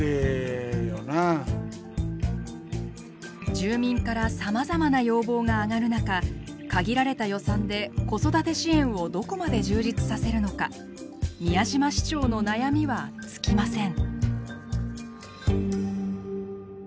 住民からさまざまな要望が上がる中限られた予算で子育て支援をどこまで充実させるのか宮嶋市長の悩みは尽きません。